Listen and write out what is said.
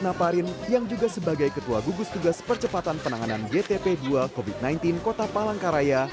naparin yang juga sebagai ketua gugus tugas percepatan penanganan gtp dua covid sembilan belas kota palangkaraya